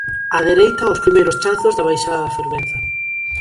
Á dereita, os primeiros chanzos da baixada da fervenza.